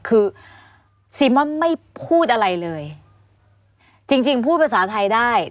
คือซีม่อนไม่พูดอะไรเลยจริงจริงพูดภาษาไทยได้